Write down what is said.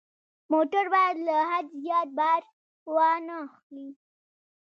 موټر باید له حد زیات بار وانه خلي.